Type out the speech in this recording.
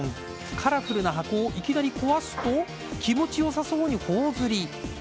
カラフルな箱をいきなり壊すと気持ち良さそうに頬擦り。